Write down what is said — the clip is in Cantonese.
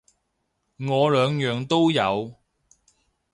我兩樣都有